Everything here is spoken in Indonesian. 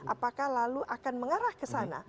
apakah lalu akan mengarah ke sana